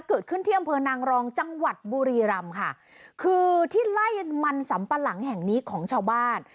เกิดขึ้นที่อำเภอนางรองจังหวัดบุรีรำค่ะคือที่ไล่มันสำปะหลังแห่งนี้ของชาวบ้าน